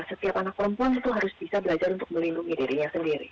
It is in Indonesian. setiap anak perempuan itu harus bisa belajar untuk melindungi dirinya sendiri